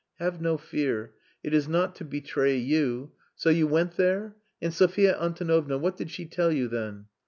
"Have no fear. It is not to betray you. So you went there?... And Sophia Antonovna, what did she tell you, then?"